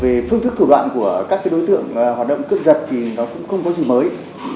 về phương thức thủ đoạn của các đối tượng hoạt động cướp giật thì nó cũng không có gì mới